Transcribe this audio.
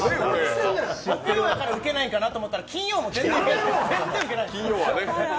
木曜からウケないのかなと思ってたら金曜日も全然ウケないですね。